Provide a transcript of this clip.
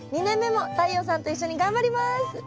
２年目も太陽さんと一緒に頑張ります。